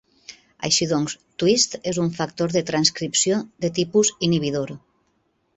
Així doncs, twist és un factor de transcripció de tipus inhibidor.